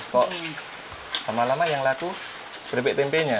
kok lama lama yang laku keripik tempenya